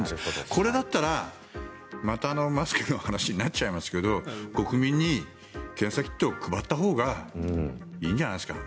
これだったら、またマスクの話になっちゃいますけど国民に検査キットを配ったほうがいいんじゃないですか。